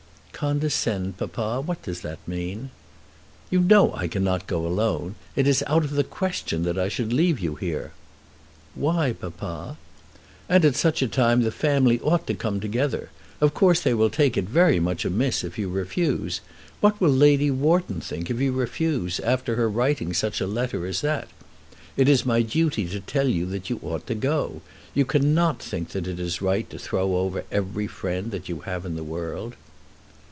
"Condescend, papa; what does that mean?" "You know I cannot go alone. It is out of the question that I should leave you here." "Why, papa?" "And at such a time the family ought to come together. Of course they will take it very much amiss if you refuse. What will Lady Wharton think if you refuse after her writing such a letter as that? It is my duty to tell you that you ought to go. You cannot think that it is right to throw over every friend that you have in the world."